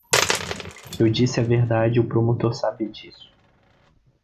Eu disse a verdade e o promotor sabe disso.